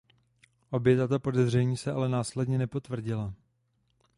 Obě tato podezření se ale následně nepotvrdila.